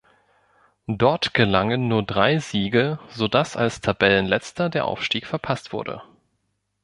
Dort gelangen nur drei Siege, so dass als Tabellenletzter der Aufstieg verpasst wurde.